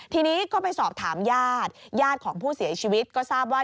ทีนี้ก็ไปสอบถามญาติญาติของผู้เสียชีวิตก็ทราบว่า